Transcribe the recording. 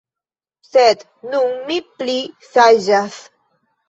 Sed nun mi pli saĝas.